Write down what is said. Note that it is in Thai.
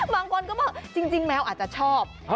บางคนก็บอกจริงแมวอาจจะชอบ